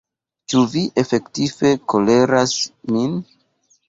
Ĉu vi efektive koleras min?